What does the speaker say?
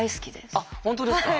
あっ本当ですか？